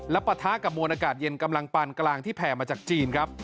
และปะทะกับมวลอากาศเย็นกำลังปานกลางที่แผ่มาจากจีนครับ